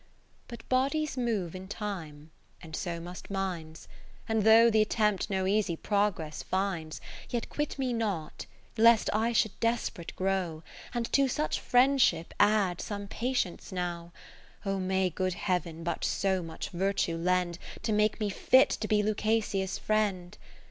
But bodies move in time, and so must minds ; And though th' attempt no easy progress finds. Yet quit me not, lest I should des p'rate grow. And to such friendship add some patience now. O may good Heav'n but so much virtue lend, To make me fit to be Lucasia's Friend